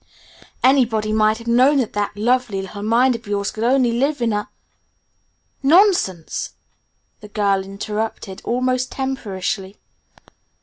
"Anybody might have known that that lovely, little mind of yours could only live in a " "Nonsense!" the girl interrupted, almost temperishly.